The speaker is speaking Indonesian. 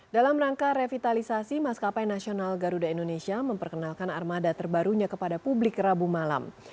dalam rangka revitalisasi maskapai nasional garuda indonesia memperkenalkan armada terbarunya kepada publik rabu malam